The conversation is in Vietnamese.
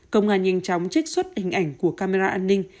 công an nhanh chóng trích xuất hình ảnh của camera an ninh